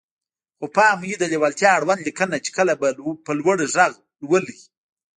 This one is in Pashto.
خو پام مو وي د ليوالتيا اړوند ليکنه چې کله په لوړ غږ لولئ.